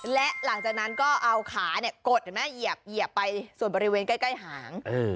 และหลังจากนั้นก็เอาขากดเห็นไหมเหยียบไปส่วนบริเวณใกล้หาง